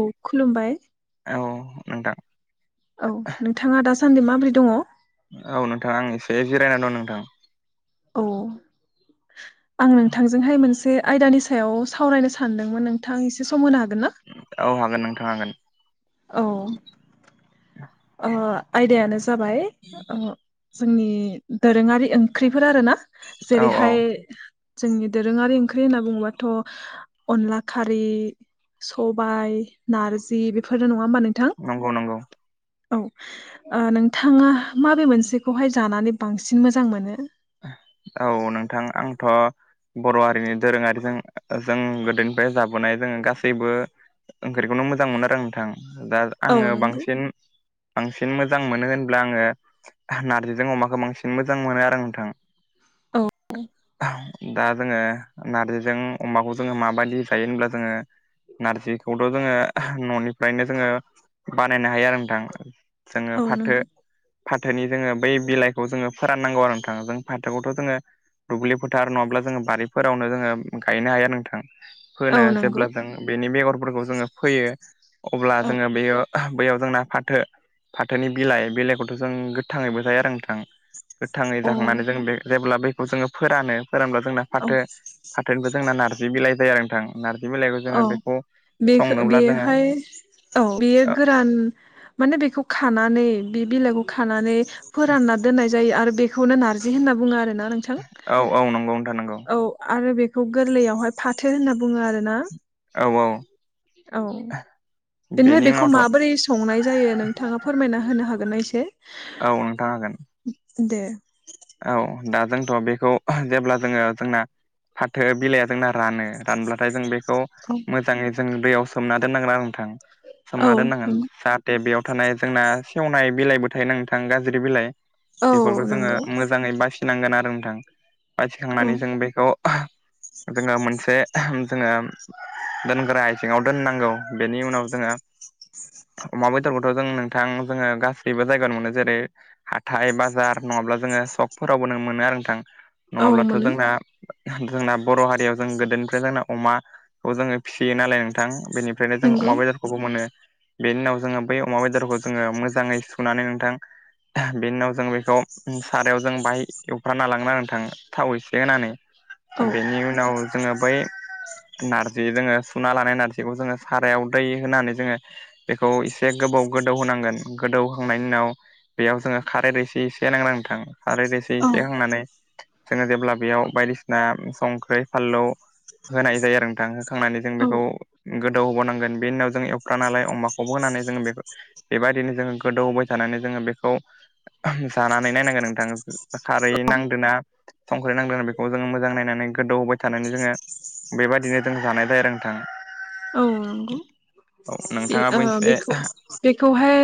औ खुलुमबाय। औ नोंथां। औ नोंथाङा दासान्दि माबोरै दङ। औ नोंथां आं एसे जिरायनानै दं नोंथां। औ। आं नोंथांजोंहाय मोनसे आयदानि सायाव सावरायनो सानदोंमोन नोंथां एसे सम होनो हागोन ना। औ हागोन नोंथां हागोन। औ। ओ आयदायानो जाबाय जोंनि दोरोङारि ओंख्रिफोर आर ना। औ औ जेरैहाय जोंनि दोरोङारि ओंख्रि होनना बुङोबाथ'। अनला खारै सबायाइ नारजि बेफोरनो नङा होमबा नोंथां। नंगौ नंगौ। औ नोंथाङा माबे मोनसेखौहाय जानानै बांसिन मोजां मोनो। औ नोंथां आंथ' बर' हारिनि दोरोङारिजों। जों गोदोनिफ्राय जाबोनाय जोङो गासैबो ओंख्रिखौनो मोजां मोनो आरो नोंथां दा। औ आङो नंगौ बांसिन। बांसिन मोजां मोनो होनब्ला आङो नारजिजों अमाखौ बांसिन मोजां मोनो आरो नोंथां। औ औ। दा जोङो नारजिजों अमाखौ जोङो माबायदि जायो होनब्ला जोङो। नारजिखौथ' जोङो न'निफ्रायनो जोङो बानायनो हायो आरो नोंथां। जोङो औ फाथो नंगौ फाथोनि जोङो बै बिलाइखौ जोङो फोराननांगौ आरो नोंथाङा जों। फाथोखौथ' जोङो दुब्लि फोथार नङाब्ला जोङो बारिफोरावनो जोङो गायनो हाया नोंथां। औ फोनो नंगौ जेब्ला जों बेनि बेगरफोरखौ जोङो फोयो अब्ला औ जोङो बेयो। बैयाव जोंना फाथो फाथोनि बिलाइ बिलाइखौथ' जों गोथाङैबो जायो आरो नोंथां। गोथाङै औ जाखांनानै जों बे जेब्ला बखौ जोङो फोरानो। सोर होनबा जोंना औ फाथो फाथोनिबो जोंना नारजि बिलाइ जायो आरो नोंथां। नारजि बिलाइखौ औ जोङो बेखौ बेखो संनोब्ला जोङो। बेहाय औ बेयो गोरान माने बेखौ खानानै बे बिलाइखौ खानानै। फोरानना दोननाय जायो आरो बेखौनो नारजि होनना बुङो आरोना नों। औ औ नंगौनो थानांगौ। आरो बेखौ गोरलैयावहाय फाथो होनना बुङो आरो ना। औ औ। औ। आ। बेनिफ्राय बेखौ माबोरै संनाय जायो नोंथाङा फोरमायना होनो हागोननाा एसे। औ नोंथांा हागोन। दे। औ दा जोंथ' बेखौ जेब्ला जोङो जोंना। फाथो बिलाइया जोंना रानो रानब्लाथाय जों बे बेखौ औ मोजाङै जों दैयाव सोमना दोननांगोन आरो नोंथां औ सोमना दोननांगोन नंगौ जा दे बेयाव थानाय जोंना सेवनाय बिलाइबो थायो ना नोंथां गाज्रि बिलाइ औ बेफोरखौ जोङो नंगौ मोजाङै बासिनांगोन आरो नोंथां। औ बाथिखांनानै जों बेखौ जोङो मोनसे जोङो दोनग्रा इसेङाव दोननांगौ बेनि उनाव जोङो अमा बेदरखौथ' जों नोंथां जोङो गासैबो जायगायावनो मोनो जेरै हाथाय बाजार नङाब्ला जोङो सकफोरावबो नों मोनो आरो नोंथां औ नङाब्लाथ' मोनो जोंना जोंना बर' हारियाव जों गोदोनिफ्राय जोंना अमाखौ जोङो फिसियो नालाय नोंथां बेनिफ्राय फ्रायनायजों नंगौ अमा बाय खौबो मोनो बेनि उनाव जोङो बै अमा बेदरखौ जोङो मोजाङै सुनानै नोंथां। बिनि उनाव जों बेखौ सारायाव जों बाहाय एवफ्राना लाङोन आरो नोंथां थाव एसे होनानै औ बेनि उनाव जोङो बै नार्जि जोङो सुना लानाय नारजिखौ जोङो सारायाव दै होनानै जोङो बेखौ एसे गोबाव गोदौ होनांगोन गोदौहांनायनि उनाव बेयाव जोङो खारै रसे एसे एसे नांदांथां आरोारैसे औ एसेखांनानै जोङो जेब्ला बेयाव बायदिसिना संख्रि फाललौ होनाय जायो आरो नोंथां होखांनानै जों औ बेखौ गोदौ होबावनांगोन बेनि उनाव जों एवग्रा नालाय अमाखौबो होनानै जोङो बे बेबायदिनो जोङो गोदौबाय थानानै जोङो बेखौ जानानै नायनांगोन नोंथाङा खारै नांदा संख्रै नांदोना बेखौ जोङो मोजां नायनानै गोदौ होबाय थानानै जोङो बेबादिनो जों जानाय जायो आरो नोंथां। औ नंगौ औ नोंथाङाबो एसे बेखौ बेखौहाय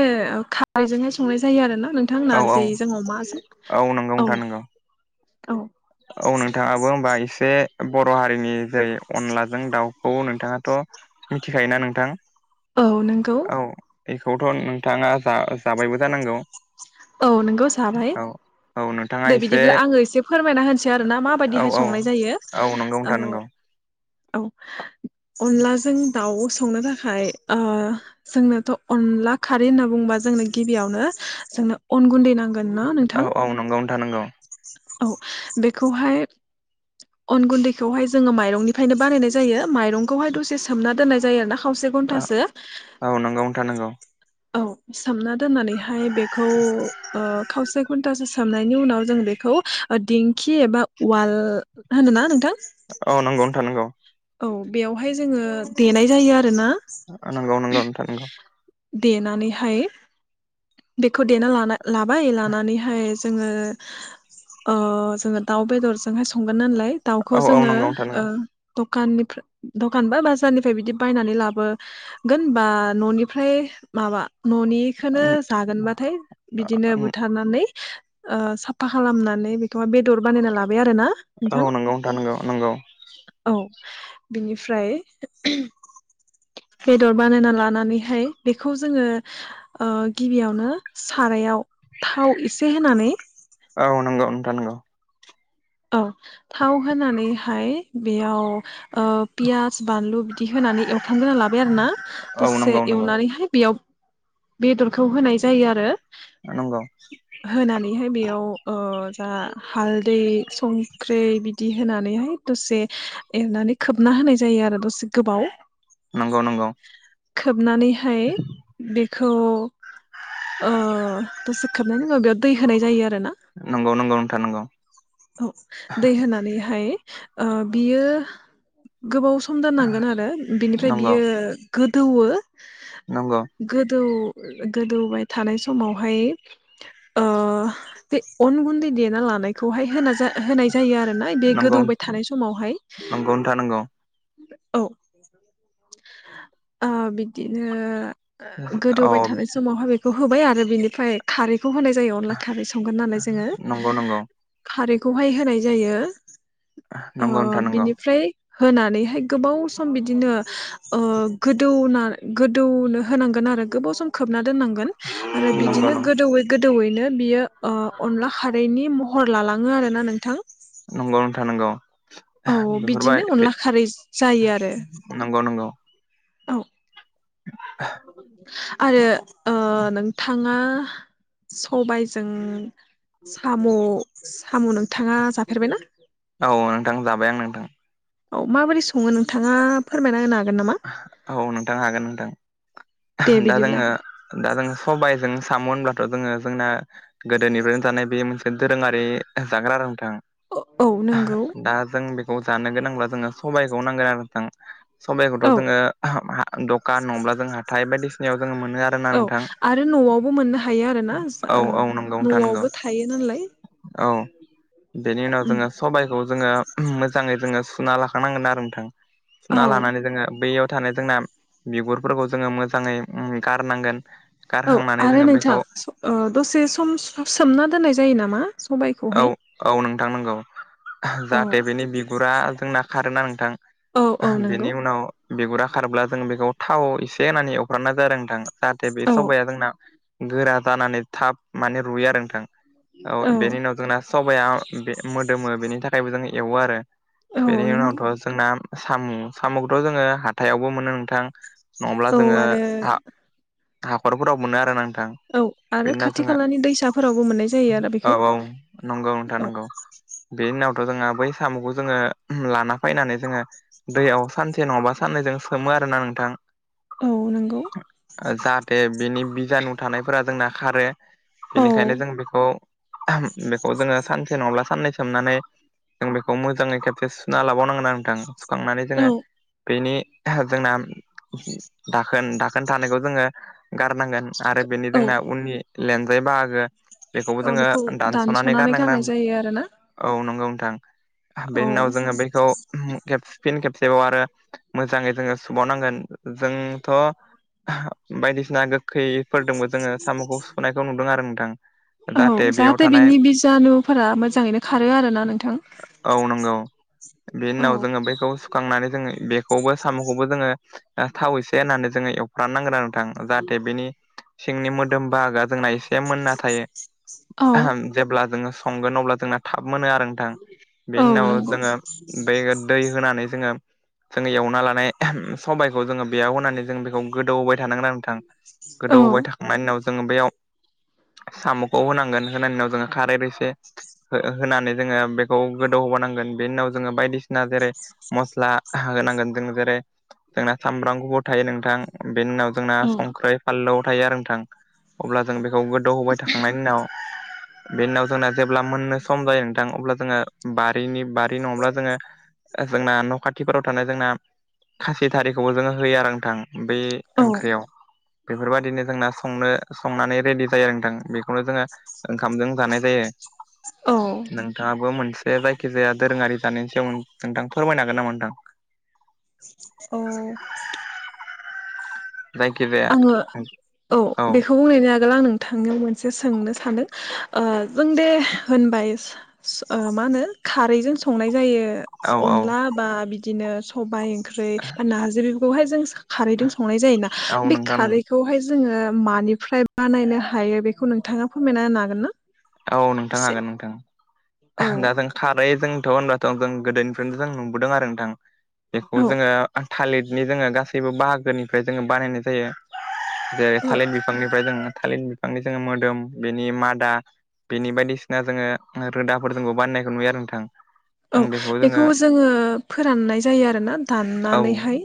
खारैजोंहाय संनाय जायो आरो ना नोंथां औ औ नारजिजों अमाजों औ नंगौ नोंथां नोंगौ। औ औ नोंथाङाबो होमबा एसे बर' हारिनि जेरै अनलाजों दाउखौ नोंथाङाथ' मिथिखायोना नोंथां औ नोंगौ औ बेखौथ' नोंथाङा जा जाबायबो जानांगौ औ नोंगौ साबाय औ औ नोंथाङा दे एसे बिदिब्ला आङो एसे फोरमायना होनसै आरोना औ माबायदिहाय औ संनाय जायो नंगौ औ नोंथां नंगौ औ अनलाजों दाउ संनो थाखाय जोंनोथ' अनला खारै होनना बुंबा जोंनो गिबियावनो जोंनो अन गुन्दै नांगोन ना औ नोंथां औ नंगौ नोंथां नंगौ औ बेखौहाय अन गुन्दैखौहाय जोङो माइरंनिफ्रायनो बानायनाय जायो माइरंखौहाय दसे सोमना दोननाय जायो आरोना खावसे घन्टासो औ नंगौ नोंथां नांगौ औ सोमना दोननानैहाय बेखौ खावसे घन्टासो सोमनायनि उनाव जों बेखौ दिंखि एबा उवाल होनोना नोंथां। औ नंगौ नोंथां नोंगौ औ बेवहाय जोङो देनाय जायो आरो ना नंगौ नंगौ नथार नंगौ। देनानैहाय बेखौ देना ला-लाबाय लानानैहाय जोङो जोङो दाउ बेदरजोंहाय संगोन नालाय औ दाउखौ औ जोङो नंगौ नोंथां नंगौ दखाननिफ्राय दखान बा बाजारनिफ्राय बिदि बायनानै लाबो गोन होनबा न'निफ्राय माबा न'नि खौनो जागोनबाथाय बिदिनो बुथारनानै साफा खालामनानै बेखौबा बेदर बानायना लाबाय आरो ना नोंथां औ नंगौ नुथा नोंगौ नंगौ औ बिनिफ्राय बेदर बानायना लानानैहाय बेखौ जोङो गिबियावनो सारायाव थाव एसे होनानै औ नंगौ नोंथां नंगौ औ थाव होनानैहाय बेयाव पियास बानलु बिदि होनानै एवफ्रामग्रोना लाबाय आरोना औ दसे नंगौ एवनानैहाय बेयाव बेदरखौ होनाय जायो आरो। नंगौ होनानैबो बेयाव जा हालदै संख्रि बिदि होनानैहाय दसे एरनानै खोबना होनाय जायो आरो दसे गोबाव नंगौ नंगौ खोबनानैहाय बे खौ दसे खाबनायनि उनाव बेयाव दै होनाय जायो आर ना नंगौ नंगौ नोंथा नंगौ दै होनानैहाय बियो गोबाव सम सम दाननांगोन आरो बिनिफ्राय नंगौ बियो गोदौ नंगौ गोदौ गोदौबाय थानाय समावहाय आ अनगुनदै देना लानाय खौहाय होना होनाय जायो आरो ना बे गोदौबाय थानाय समावहाय खौनो थानांगौ औ बिदिनो औ गोदौबाय थानाय समावहाय बे बे होबाय आरो बिनिफ्राय खारैखौ होनाय जायो अनला खारै संगोन नालाय जोङो नंगौ नंगौ खारैखौहाय होनाय जायो नंगौ नोंथां नंगौ बिनिफ्राय होनानैहाय गोबाव सम बिदिनो गोदौना गोदौनो होनांगोन आरो गोबाव सम खोबना दोननांगोन आरो नंगौ बिदिनो गोदौयै गोदौवैनो बियो अनला खारैनि मह हर लालाङो आर ना नोंथां नंगौ नोंथां नोंगौ औ बिदिनो अनला खारै जायो आरो नंगौ नंगौ औ आरो नोंथाङा सबायजों साम' साम' नोंथाङा जाफेरबायनाा औ नोंथां जाबाय आं नोंथां औ माबोरै सङो नोंथाङा फोरमायना होनो हागोन नामा औ नोंथां हागोन नोंथां दे दा जोङो बिदिब्ला दा जोङो सबबायजों साम' होनब्लाथ' जोङो जोंना गोदोनिफ्रायनो जानाय बे मोनसे दोरोङारि जाग्रा रोंथों औ नंगौ दा जों बे ज गोनां ज सखौ नांगोन स [unintelligible] औ जोङो दखान नङ्ला जों हााइ बायदिसिनायाव जों मोनो आरो औ आरो न'आवबो मोननो हायो आरोना औ औ नंगौ नोंथां नंगौ न'आवबो थायो नालाय औ बुजबाय [inaudible] बेनि जोंओ सबायाइखौ जोङो मोजाङै जोङो सुना लाखांनांगोन आरो नोंथां औ सुना लानानै जोङो बैयाव थानाय जोंना बिगुरफोरखौ जोङो मोजाङै गारनांगोन औ गारहांनानै आरो जोङो नोंथां बेखौ [inaudible] दसे सम सोमना दोननाय जायो नामा सबायखौहाय औ नोंथां नंगौ औ जाहाथे बेनि बिगुरा जोंना खारोना नोंथां औ औ नंगौ बेनि उनाव बिगुरा खारब्ला जों बेखौ थाव एसे होनानै एवफ्र्राननाय जादों नोंथांा जाहाथे बे औ सबाया जोंना गोरा जानानै थाब माने रुयो आरो नोंथां औ बेनि उनाव जोंना सबाया बे मोदोमो बेनि थाखायबो जों एवो आरो- औ बेनि नंगौ उनावथ' जोंना साम' साम'खौथ' जोङो हाथायावबो मोनो नोंथां- नङाब्ला औ जोङो आरो हा हाखरफोराव मोनो आरो नोंथां। औ आरो बेनि उनाव खाथि जोङो खालानि दैसाफोरावबो मोननाय जायो आरो औ बेखौ। औ नंगौ नोंथा औ नंगौ बेनि उनावथ' जोङो बै साम'खौ जोङो लाना फैनानै जोङो- दैयाव सानसे नङाबा साननैजों सोमो आरोना नोंथां। औ नोंगौ। जाहाथे बिनि बिजानु थानायफोरा जोंना खारो। औ बेनिखायनो जों बेखौ-बेखौ जोङो सानसे नङाब्ला साननै सोमनानै- जों बेखौ मोजाङै खेबसे सुना लाबावनांगोना नोंथां। खांनानै जोङो औ बेनि जोंना- दाखोन दाखोन थानायखौ जोङो गारनांगोन आरो बेनि औ जोंना उननि- लेनजाय बाहागो बेखौबो औ जोङो बेखौ दानस- दानस'नानै गारनाय गारनांगोन जायो आरोना औ नंगौ नोंथां औ बेनि उनाव जोङो बेखौ- खेबसेफिन खेबसेबाव आरो मोजाङै जोङो सुबावनांगोन जोंथ'- बायदिसिना गोखैफोरदोंबो जोङो साम'खौ सुुनायखौ नुदों आरो नोंथां। औ बेयाव जाहाथे थानाय बिनि बिजानुफोरा मोजाङैनो खारो आरो ना। औ नंगौ बे औ उनाव जोङो बैखौ- सुखांनानै जोङो बेखौबो साम'खौबो जोङो थाव एसे होननानै जोङो एवफ्रान नांगोन आरो- जाहाथे बिनि सिंनि मोदोम बाहागा- जोंना एसे मोनना औ थायो जेब्ला जोङो संगोन अब्ला जोंना- थाब मोनो आरो नोंथां औ बेनि उनाव नंगौ जोङो बे दै होनानै जोङो- जोङो एवना लानाय सबायखौ जोङो बेयाव होनानै जों बेखौ- - गोदौबाय थानांगोन आरो नोंथां औ गोदौबाय थाख मानि उनाव जोङो बेयाव साम'खौ होनांगोन होना उनाव जोङो खारै एसे होनानै जोङो बेखौ गोदौ होबानांगोन बेनि उनाव जोङो बायदिसिना जेरै- मस्ला होनांगोन जों जेरै जोंना सामब्राम गथायै नोंथां बेनि उनाव- जोंना औ संख्रै फानलु थायो आरो नोंथां अब्ला जों बेखौ गोदौ होबाय थाखांनायनि उनाव- बे उनाव जोंना जेब्ला मोननो सम जायो नोंथां अब्ला जोङो बारिनि बारि नङाब्ला जोङो- जोंना न' खाथिफोराव थानाय जोंना खासि थारिखौबो जोङो होयो आरो नोंथां। बे औ ओंख्रियाव। बेफोरबायाददिनो जोंना संनो संनानै रेडि जायो आरो नोंथां बेखौनो जोङो- ओंखामजों जानाय जायो नों। नोंथाङाबो मोनसे जायखिजाया दोरोङारि जानायनि सायाव नोंथां फोरमायनो हागोन नामा नोंथां? औ जायखि जाया। आङो औ बेखौ बुंनो आगोल आं नों- नोंथांनियाव मोनसे सोंनो सानदों ओ जों दे होनबाय- मा होनो खारैजों संनाय जायो। औ औ अनला बा बिदिनो सबायाइ ओंख्रि बा नारजिफोरखौहाय जों- खारैजों संनाय जायोना। औ नोंथां नंगौ बेखौहाय जोङो मानिफ्राय बाानायनायनो हायो बेखौ नोंथाङा फोरमायना हागोन ना? औ नोंथां एसे हागोन औ नोंथां दा जों खारै जोंथ' होनबाथ' जों गोदोनिफ्रायनोथ' जों नुबोदों आरो नोंथां बेखौ औ जोङो- थालिरनि जोङो गासैबो बाहागोनिफ्राय जोङो बानायनाय जायो जेरै- औ थालिर बिफां- बिफांनिफ्राय जोङो थालिर बिफांनि जोङो मोदोम बेनि मादा- बिनि बायदिसिना जोङो रोदाफोर जोंबो बाननायखौ नुयो आरो नोंथां। औ बेखौ जोङो फोराननाय जायो आरोना औ दाननानैहाय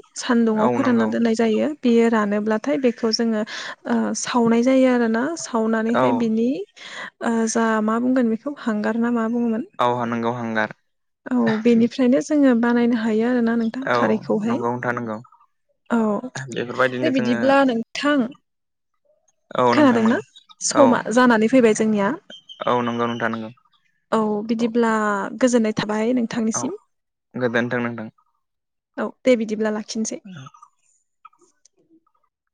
औ सान्दुंआव फोरानना नंगौ दोननाय जायो। जायो बे रानोब्लाथाय बेखौ जों ओ सावनाय जायो आरोना- औ सावनानैहाय बिनि जा मा बुंगोन बेखौ हांगार ना मा बुङोमोन? औहा नोंगौ हांगार औ बेनिफ्रायनो जोङो बानायनो हायो होना नोंथां औ खारखौ नंगौ नोंथां नंगौ औ बेफोरबायदिनो दे जोङो बिब्ला नोंथ थां औ नोंथां खोनादोंना नंगौ औ समा जानानै फैबाय जोंनिया औ नंगौ नोंथां नंगौ औ बिदिब्ला गोजोननाय थाबाय नों औ गोजोन्थों नोंथां। औ दे बिदिब्ला लाखिनोसै। [inaudible]